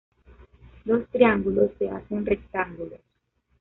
Los triángulos se hacen rectángulos.